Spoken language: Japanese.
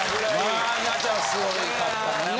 まあ稲ちゃんすごかったもんね。